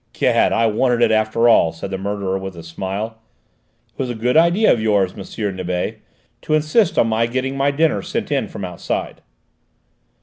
"Gad, I wanted it after all," said the murderer with a smile. "It was a good idea of yours, M. Nibet, to insist on my getting my dinner sent in from outside."